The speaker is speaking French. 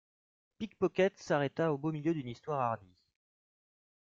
Pickpocket s’arrêta au beau milieu d’une histoire hardie.